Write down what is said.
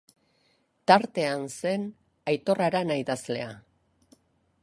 Tartean zen Aitor Arana idazlea.